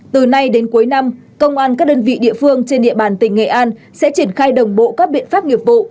từ nay đến cuối năm công an các đơn vị địa phương trên địa bàn tỉnh nghệ an sẽ triển khai đồng bộ các biện pháp nghiệp vụ